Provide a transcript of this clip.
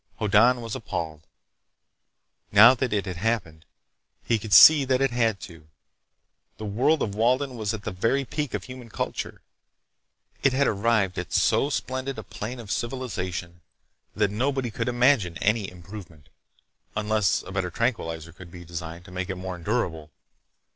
Hoddan was appalled. Now that it had happened, he could see that it had to. The world of Walden was at the very peak of human culture. It had arrived at so splendid a plane of civilization that nobody could imagine any improvement—unless a better tranquilizer could be designed to make it more endurable.